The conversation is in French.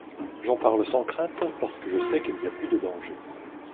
J'en parle sans crainte, parce que je sais qu'il n'y a plus de danger.